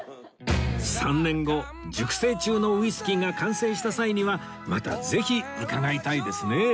３年後熟成中のウイスキーが完成した際にはまたぜひ伺いたいですね